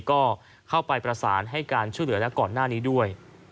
ก็เข้าไปประสานให้การช่วยเหลือและก่อนหน้านี้ด้วย